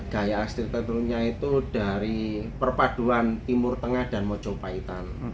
gaya asli tenunnya itu dari perpaduan timur tengah dan mojopahitan